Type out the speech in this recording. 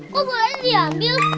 kok gue aja diambil